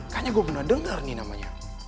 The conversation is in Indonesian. kayaknya gue pernah dengar nih namanya